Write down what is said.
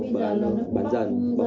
bây giờ nó bán dần bóc dần